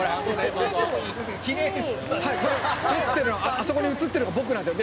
「あそこに映ってるの僕なんですよ